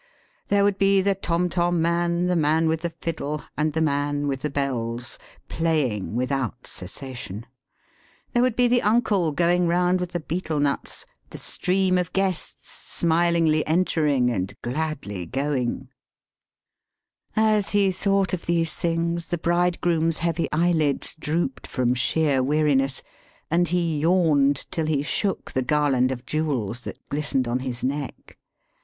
There would be the tom tom man, the man with the fiddle, and the man with the bells, playing without cessation. There would be the uncle going round with the betel nuts, the stream of guests smilingly entering and gladly going. Digitized by VjOOQIC BURYING AND GIVING IN MABRIAGE. 191 As he thought of these things the bridegroom'^ heavy eyelids drooped from sheer weariness, and he yawned till he shook the garland of jewels that glistened on his neck.